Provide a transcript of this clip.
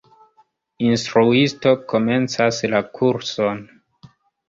Instruisto komencas la kurson.